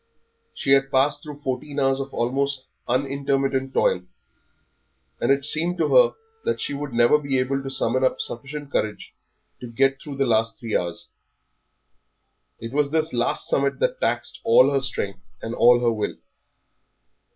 She had passed through fourteen hours of almost unintermittent toil, and it seemed to her that she would never be able to summon up sufficient courage to get through the last three hours. It was this last summit that taxed all her strength and all her will.